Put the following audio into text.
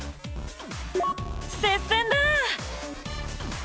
接戦だ！